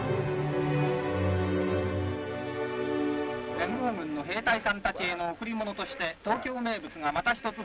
「連合軍の兵隊さんたちへの贈り物として東京名物がまた一つ増えました。